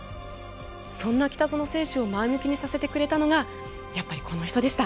そんな北園選手を前向きにさせてくれたのがやっぱりこの人でした。